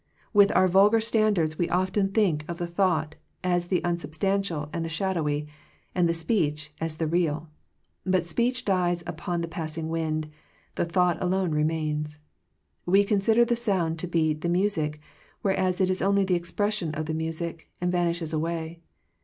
With our vulgar 126 Digitized by VjOOQIC THE ECLIPSE OF FRIENDSHIP standards we often think of the thought as the unsubstantial and the shadowy, and the speech as the real. But speech dies upon the passing wind; the thought alone remains. We consider the sound to be the music, whereas it is only the expression of the music, and vanishes away.